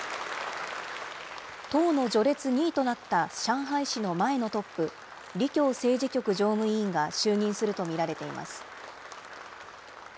党の序列２位となった上海市の前のトップ、李強政治局常務委員が就任すると見られています。